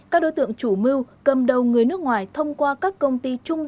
các đối tượng chủ mưu cầm đầu người nước ngoài thông qua các công ty trung gian thanh toán tổ chức cho họ